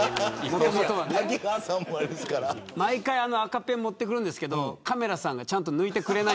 毎回赤ペン持ってくるんですけどカメラさんがちゃんと抜いてくれない。